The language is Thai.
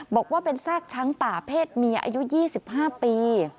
บอกว่าเป็นซากช้างป่าเพศเมียอายุ๒๕ปี